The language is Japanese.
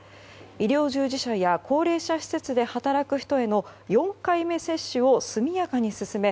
医療従事者や高齢者施設で働く人への４回目接種を速やかに進め